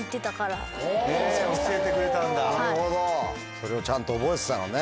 それをちゃんと覚えてたのね。